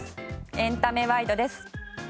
エンタメワイドです。